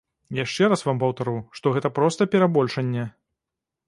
Яшчэ раз вам паўтару, што гэта проста перабольшанне.